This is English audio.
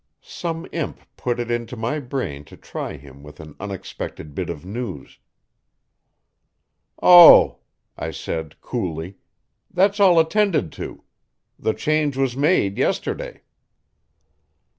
Some imp put it into my brain to try him with an unexpected bit of news. "Oh," I said coolly, "that's all attended to. The change was made yesterday."